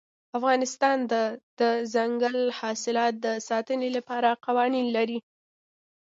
افغانستان د دځنګل حاصلات د ساتنې لپاره قوانین لري.